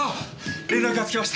連絡がつきました。